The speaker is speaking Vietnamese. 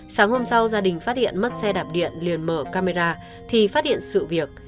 sáng hôm sau gia đình phát hiện mất xe đạp điện liền mở camera thì phát hiện sự việc